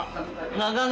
bu ada harapan